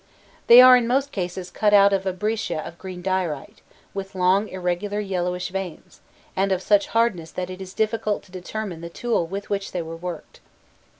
They are in most cases cut out of a breccia of green diorite, with long irregular yellowish veins, and of such hardness that it is difficult to determine the tool with which they were worked.